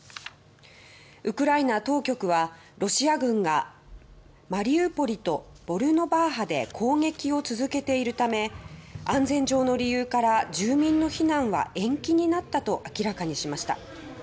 ウクライナ当局はロシア軍がマリウポリとボルノバーハで攻撃を続けているため安全上の理由から住民の避難は延期になったと明らかにしました。